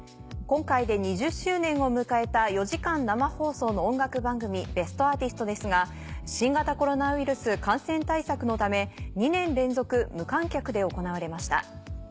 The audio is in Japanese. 今回で２０周年を迎えた４時間生放送の音楽番組『ベストアーティスト』ですが新型コロナウイルス感染対策のため２年連続無観客で行われました。